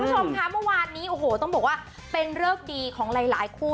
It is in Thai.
ผู้ชมค่ะว่านี้ต้องบอกว่าเป็นเลือกดีของหลายคู่